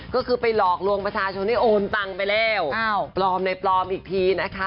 ก็คือไปหลอกลวงประชาชนให้โอนตังค์ไปแล้วปลอมในปลอมอีกทีนะคะ